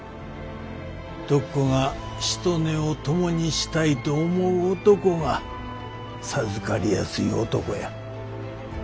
徳子がしとねを共にしたいと思う男が授かりやすい男や。